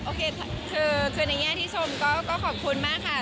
โอเคคือในแง่ที่ชมก็ขอบคุณมากค่ะ